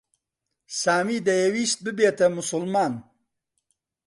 سامی دەیویست ببێتە موسڵمان.